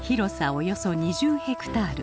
およそ２０ヘクタール。